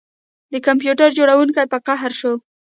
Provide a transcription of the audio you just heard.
د کمپیوټر جوړونکي په قهر شو